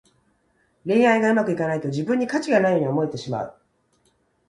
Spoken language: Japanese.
恋愛がうまくいかないと、自分に価値がないように思えてしまう。